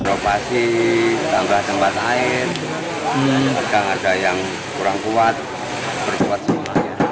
provasi tambah tempat air jika ada yang kurang kuat percuat semuanya